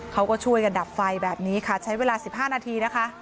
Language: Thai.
เขาก็ช่วยกันดับไฟแบบนี้ค่ะใช้เวลา๑๕นาทีนะคะ